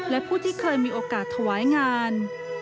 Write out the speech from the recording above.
และผู้ที่เคยมีโอกาสถวายงาน